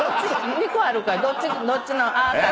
２個あるからどっちの。